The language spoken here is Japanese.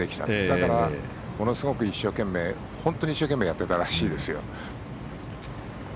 だからものすごく本当に一生懸命やってたらしいですよ。